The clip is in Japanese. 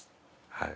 はい。